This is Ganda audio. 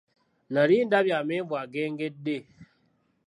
Nali ndabye amenvu agengedde.